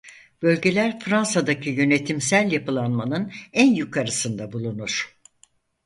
Bölgeler Fransa'daki yönetimsel yapılanmanın en yukarısında bulunur.